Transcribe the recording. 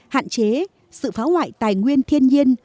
hạn chế sự phá hoại tài nguyên thiên nhiên